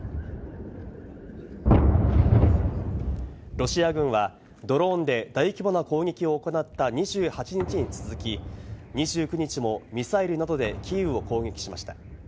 ロシア軍はドローンで大規模な攻撃を行った２８日に続き、２９日もミサイルなどでキーウを攻撃しました。